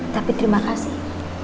tapi terima kasih